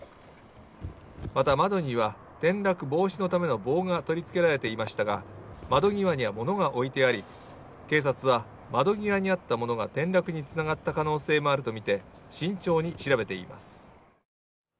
また窓には転落防止のための棒が取りつけられていましたが、窓際には物が置いてあり、警察は窓際にあっものが転落につながった可能性もあるとみて、慎重に調べています。